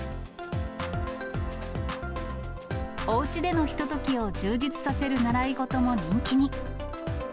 おうちでのひとときを充実させる習い事も人気に。